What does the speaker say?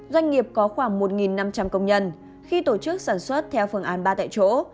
doanh nghiệp có khoảng một năm trăm linh công nhân khi tổ chức sản xuất theo phương án ba tại chỗ